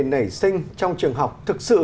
nảy sinh trong trường học thực sự